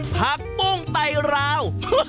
ผักปุ้งไตรราว